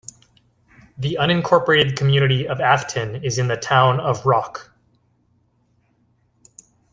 The unincorporated community of Afton is in the town of Rock.